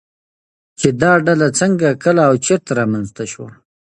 چې دا ډله څنگه، کله او چېرته رامنځته شوه